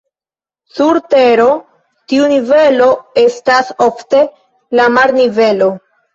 Sur Tero tiu nivelo estas ofte la marnivelo.